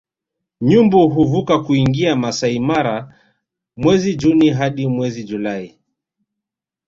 Nyumbu huvuka kuingia Maasai Mara mwezi Juni hadi mwezi Julai